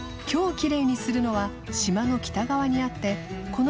きれいにするのは島の北側にあって海了